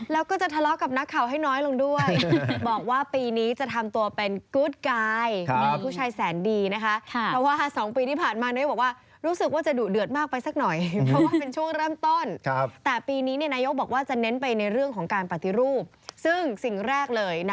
แล้วก็จะทะเลาะกับนักข่าวให้น้อยลงด้วย